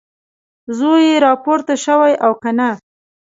زوی یې راپورته شوی او که نه؟